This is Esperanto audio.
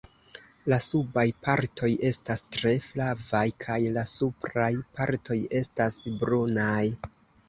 La subaj partoj estas tre flavaj kaj la supraj partoj estas brunaj.